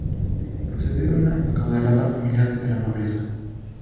Procedía de una acaudalada familia de la nobleza.